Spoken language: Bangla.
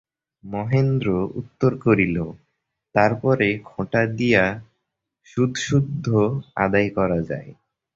মহেন্দ্র উত্তর করিল, তার পরে খোঁটা দিয়া সুদসুদ্ধ আদায় করা যায়।